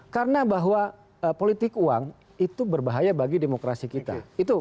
karena bahwa politik uang itu berbahaya bagi demokrasi kita